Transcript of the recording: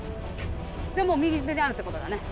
じゃあもう右手にあるってことだね。